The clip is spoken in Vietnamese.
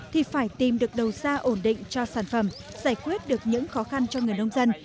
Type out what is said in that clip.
thì phải tìm được đầu ra ổn định cho sản phẩm giải quyết được những khó khăn cho người nông dân